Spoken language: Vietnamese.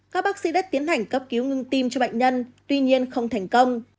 các bác sĩ đã tiến hành cấp cứu ngưng tim cho bệnh nhân tuy nhiên không thành công